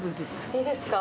いいですか。